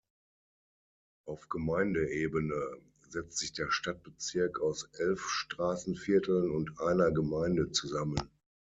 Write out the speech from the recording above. Auf Gemeindeebene setzt sich der Stadtbezirk aus elf Straßenvierteln und einer Gemeinde zusammen.